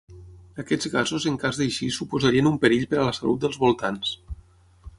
Aquests gasos en cas d'eixir suposarien un perill per a la salut dels voltants.